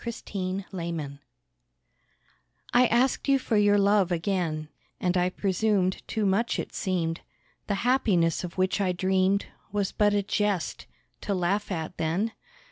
RESIGNATION I asked you for your love again, And I presumed too much it seemed. The happiness of which I dreamed Was but a jest, to laugh at then?